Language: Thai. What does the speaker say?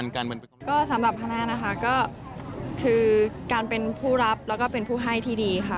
ก็คือการเป็นผู้รับและเป็นผู้ให้ที่ดีค่ะ